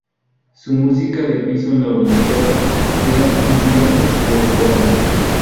Su música de piso en la olimpiada era "Invierno" por Bond.